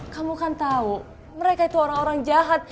kamu kan tahu mereka itu orang orang jahat